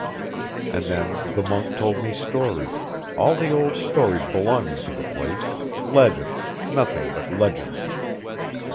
And then the monk told me stories, all the old stories belonging to the place, legends, nothing but legends.